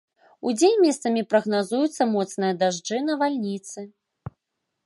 Удзень месцамі прагназуюцца моцныя дажджы, навальніцы.